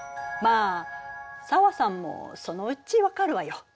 まあ紗和さんもそのうち分かるわよ。